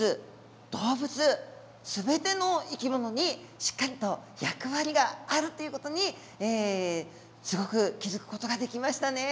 動物全ての生き物にしっかりと役割があるっていう事にすごく気付く事ができましたね。